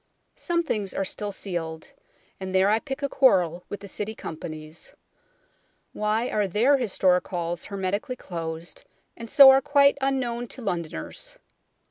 Some things are still sealed ; and there I pick a quarrel with the City Companies. Why are their historic halls hermetically closed, and so are quite unknown to Londoners